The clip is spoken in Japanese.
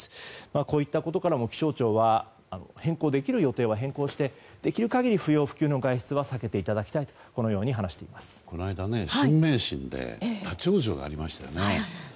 こういったことからも気象庁は変更できる予定は変更して、できるだけ不要不急の外出は避けてほしいとこの間、新名神で立ち往生がありましたよね。